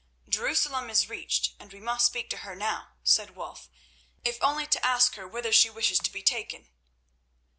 "Jerusalem is reached, and we must speak to her now," said Wulf, "if only to ask her whither she wishes to be taken."